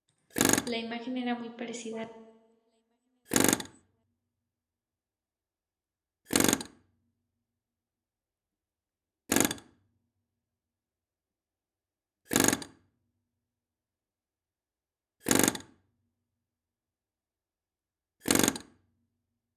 Suelen servirse con el pulpo diferentes vinos tintos.